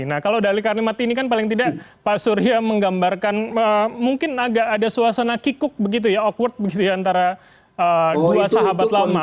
nah kalau dali karnimati ini kan paling tidak pak surya menggambarkan mungkin agak ada suasana kikuk begitu ya outward begitu ya antara dua sahabat lama